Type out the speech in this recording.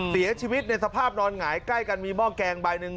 เสียชีวิตในสภาพนอนหงายใกล้กันมีหม้อแกงใบหนึ่ง